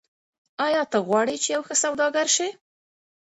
آیا ته غواړې چې یو ښه سوداګر شې؟